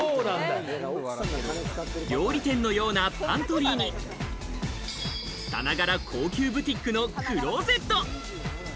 料理店のようなパントリーに、さながら高級ブティックのクローゼット。